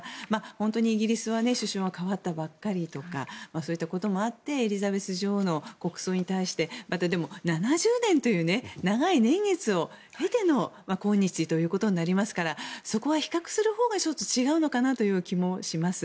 本当にイギリスは首相が変わったばっかりとかそういったこともあってエリザベス女王の国葬に対して７０年という長い年月を経ての今日ということになりますからそこは比較するほうが違うのかなという気もします。